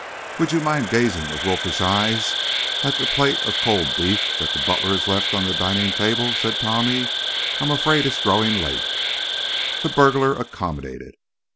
"Would you mind gazing with wolfish eyes at the plate of cold beef that the butler has left on the dining table?" said Tommy. "I'm afraid it's growing late." The burglar accommodated.